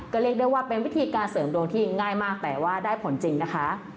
ก็เรียกได้ว่าเป็นวิธีการเสริมดวงที่ง่ายมากแต่ว่าได้ผลจริงนะคะ